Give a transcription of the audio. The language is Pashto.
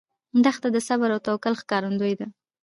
دښته د صبر او توکل ښکارندوی ده.